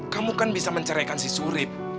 kamu kan bisa menceraikan si surip